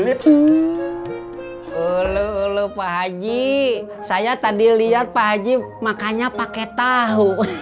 lo udah makan deh